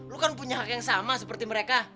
lo kan punya hak yang sama seperti mereka